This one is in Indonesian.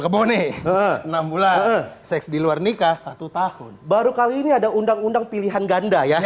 kebone enam bulan seks di luar nikah satu tahun baru kali ini ada undang undang pilihan ganda ya